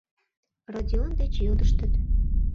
— Родион деч йодыштыт.